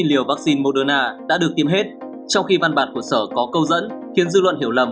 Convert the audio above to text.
một mươi chín liều vaccine moderna đã được tiêm hết trong khi văn bản của sở có câu dẫn khiến dư luận hiểu lầm